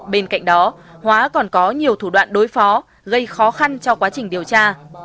bên cạnh đó hóa còn có nhiều thủ đoạn đối phó gây khó khăn cho quá trình điều tra